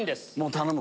頼む！